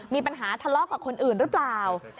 มีปัญหาทะเลาะกับคนอื่นหรือเปล่า